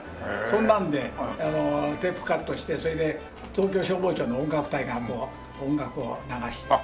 そんなのでテープカットしてそれで東京消防庁の音楽隊がこう音楽を流して。